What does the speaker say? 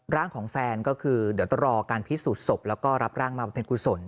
ร่างของแฟนก็คือเดี๋ยวต้องรอการพิสูจน์ศพแล้วก็รับร่างมาประเพ็กกุศล